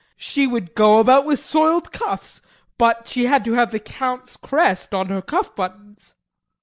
She would go about with soiled cuffs but she had to have the Count's crest on her cuff buttons.